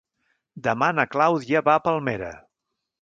Demà na Clàudia va a Palmera.